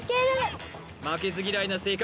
負けず嫌いな性格